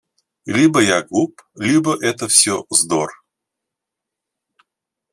Либо я глуп, либо это все - вздор.